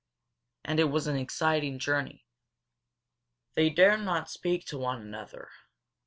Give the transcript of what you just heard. And it was an exciting journey. They dared not speak to one another.